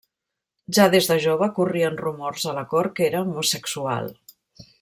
Ja des de jove corrien rumors a la cort que era homosexual.